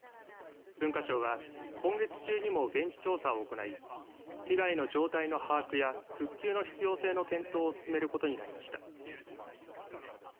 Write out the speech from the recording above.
文化庁は今月中にも現地調査を行い被害の状態の把握や復旧の必要性の検討を進めることになりました。